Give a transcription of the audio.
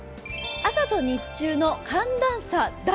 朝と日中の寒暖差、大。